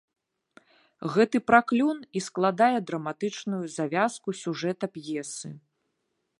Гэты праклён і складае драматычную завязку сюжэта п'есы.